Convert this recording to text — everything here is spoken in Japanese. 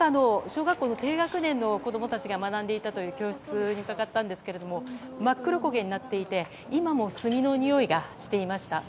小学校の低学年の子供たちが学んでいたという教室にうかがったんですが真っ黒焦げになっていて今も炭のにおいがしていました。